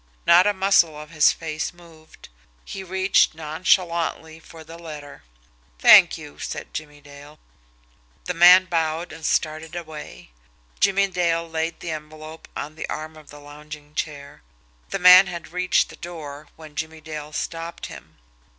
Not a muscle of his face moved. He reached nonchalantly for the letter. "Thank you," said Jimmie Dale. The man bowed and started away. Jimmie Dale laid the envelope on the arm of the lounging chair. The man had reached the door when Jimmie Dale stopped him.